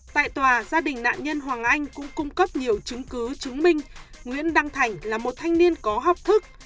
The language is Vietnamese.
tại tòa gia đình nạn nhân hoàng anh cũng cung cấp nhiều chứng cứ chứng minh nguyễn đăng thành là một thanh niên có học thức